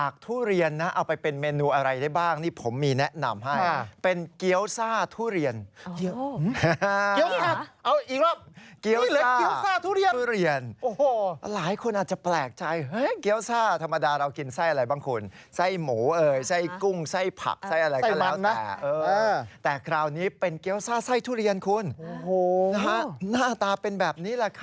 คือใส่ไอเดียเข้าไปใช่ไหมครับ